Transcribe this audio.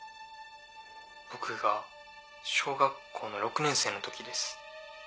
僕が小学校の６年生の時です。